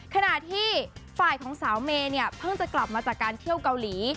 ขณะที่ฝ่ายของสาวเมย์เนี่ยเพิ่งจะกลับมาจากการเที่ยวเกาหลี